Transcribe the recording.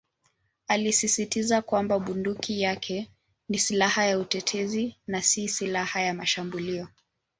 Alisisitiza kwamba bunduki yake ni "silaha ya utetezi" na "si silaha ya mashambulio".